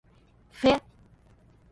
ふぇ